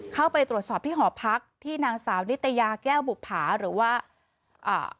เข้าไปตรวจสอบที่หอพักที่นางสาวนิตยาแก้วบุภาหรือว่าอ่า